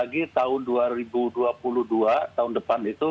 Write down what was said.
di depan itu